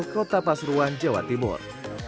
kota pasruan jawa timur